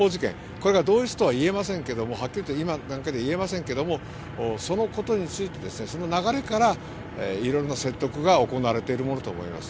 これが同一とははっきり言って今の段階では言えませんけれどもそのことについて、流れからいろいろな説得が行われているものと思われます。